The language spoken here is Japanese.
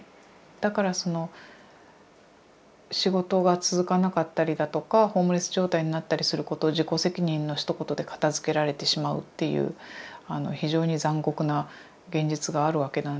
だからその仕事が続かなかったりだとかホームレス状態になったりすることを自己責任のひと言で片づけられてしまうっていうあの非常に残酷な現実があるわけなんですけれども。